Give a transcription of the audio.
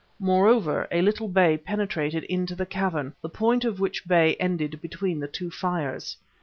Moreover, a little bay penetrated into the cavern, the point of which bay ended between the two fires.